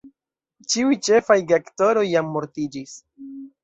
Ĉiuj ĉefaj geaktoroj jam mortiĝis.